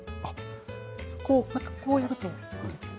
こうやると。